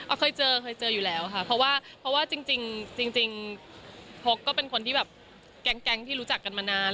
อ่ะเคยเจออยู่แล้วค่ะเพราะว่าจริงโพกก็เป็นคนที่แบบแก๊งที่รู้จักกันมานาน